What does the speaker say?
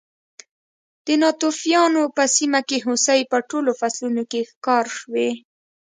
د ناتوفیانو په سیمه کې هوسۍ په ټولو فصلونو کې ښکار شوې.